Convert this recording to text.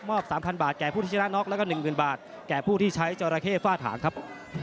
๓๐๐บาทแก่ผู้ที่ชนะน็อกแล้วก็๑๐๐๐บาทแก่ผู้ที่ใช้จอราเข้ฝ้าถางครับ